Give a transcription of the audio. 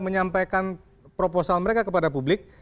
menyampaikan proposal mereka kepada publik